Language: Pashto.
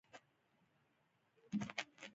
منډه انسان خوښ ساتي